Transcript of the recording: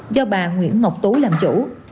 do bà nguyễn ngọc tú làm chủ